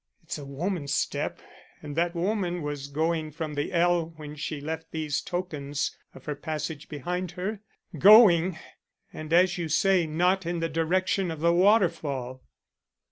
"It's a woman's step, and that woman was going from the ell when she left these tokens of her passage behind her. Going! and as you say not in the direction of the waterfall."